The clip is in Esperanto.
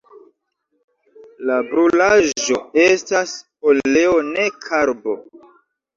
La brulaĵo estas oleo ne karbo.